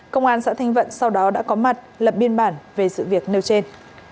công an xã thanh vận sau đó đã có mặt lập biên bản về sự việc nêu trên